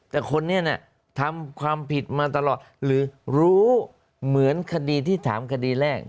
แต่คนนี้ทำความผิดมาตลอดหรือรู้เหมือนคดีที่ถามคดีแรก